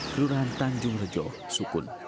kelurahan tanjung rejo sukun